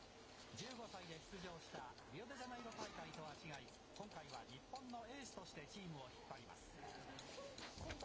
１５歳で出場したリオデジャネイロ大会とは違い、今回は日本のエースとしてチームを引っ張ります。